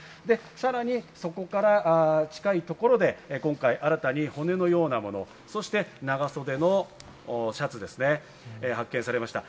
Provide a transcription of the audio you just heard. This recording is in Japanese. さらにそこから近いところで、今回新たに骨のようなもの、そして長袖のシャツが発見されました。